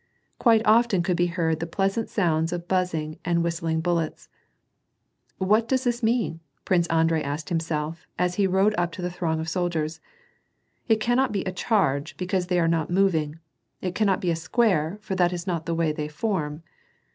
Quite often could be heard the pleasant sounds of buzzing and whistling bullets. "What does this mean," Prince Andrei asked himself, as he rode up to this throng of soldiera. " It cannot be a charge, because they are not moving ; it cannot be a square, for that is not the way they form."